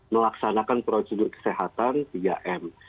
melaksanakan prosedur kesehatan tiga m